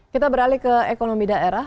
kita beralih ke ekonomi daerah